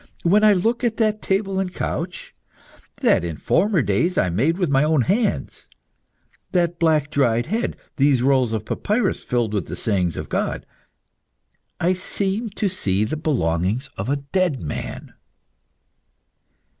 When I look at that table and couch, that in former days I made with my own hands, that black, dried head, these rolls of papyrus filled with the sayings of God, I seem to see the belongings of a dead man.